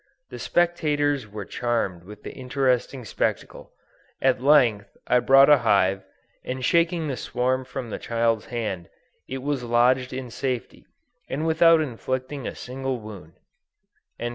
The spectators were charmed with the interesting spectacle. At length I brought a hive, and shaking the swarm from the child's hand, it was lodged in safety, and without inflicting a single wound."